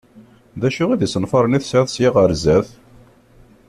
D acu d isenfaren i tesɛiḍ sya ɣer sdat?